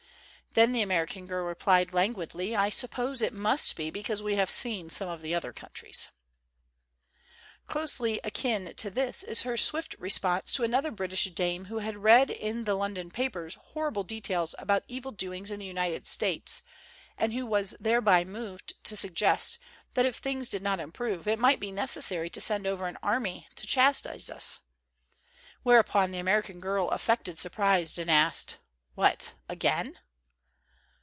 Then the Ameri can Girl replied languidly, "I suppose it must be because we have seen some of the other countries." Closely akin to this is her swifl re sponse to another British dame who had read in the London papers horrible details about 175 THE GENTLE ART OF REPARTEE evil doings in the United States and who was thereby moved to suggest that if things did not improve, it might be necessary to send over an army to chastise us. Whereupon the American Girl affected surprise and asked, "What again?"